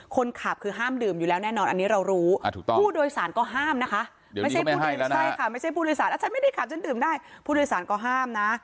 คนขับคือห้ามดื่มอยู่แล้วแน่นอนอันนี้เรารู้ผู้โดยสารก็ห้ามนะคะไม่ใช่ผู้ดื่มใช่ค่ะไม่ใช่ผู้โดยสารฉันไม่ได้ขับฉันดื่มได้ผู้โดยสารก็ห้ามนะ